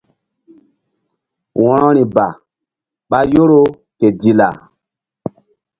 Wo̧rori ba ɓa Yoro ke Dilla.